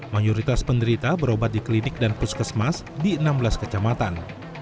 mayoritas penderita berobat di klinik dan puskesmas di enam belas kecamatan